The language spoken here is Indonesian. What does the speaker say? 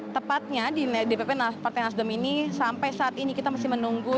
tepatnya di dpp partai nasdem ini sampai saat ini kita masih menunggu